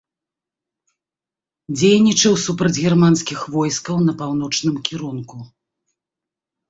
Дзейнічаў супраць германскіх войскаў на паўночным кірунку.